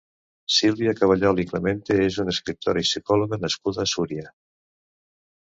Sílvia Caballol i Clemente és una escriptora i psicòloga nascuda a Súria.